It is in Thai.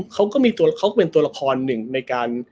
เขาก็เป็นตัวละครหนึ่งในการ